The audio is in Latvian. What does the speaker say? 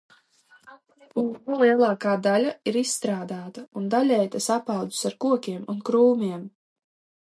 Purva lielākā daļa ir izstrādāta un daļēji tas apaudzis ar kokiem un krūmiem.